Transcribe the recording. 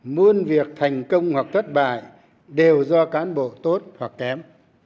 muôn việc thành công hoặc thất bại đều do cán bộ tốt hoặc kém